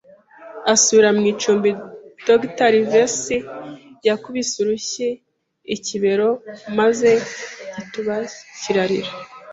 asubira mu icumbi, Dr. Livesey yakubise urushyi ikibero, maze igituba kirarira